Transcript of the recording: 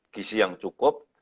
gisi yang cukup